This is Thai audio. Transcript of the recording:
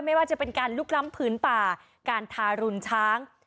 ไม่ว่าจะเป็นการลุกล้ำผืนป่าการทารุณช้าง